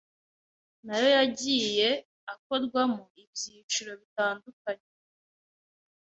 nayo yagiye akorwamo ibyiciro bitandukanye;